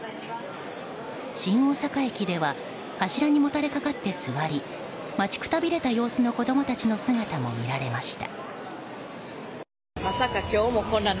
新大阪駅では柱にもたれかかって座り待ちくたびれた様子の子供たちの様子も見られました。